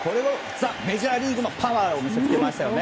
ザ・メジャーリーグのパワーを見せつけましたよね。